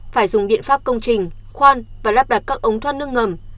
phải dùng biện pháp công trình khoan và lắp đặt các ống thoát nước ngầm